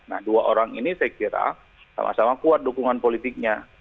nah dua orang ini saya kira sama sama kuat dukungan politiknya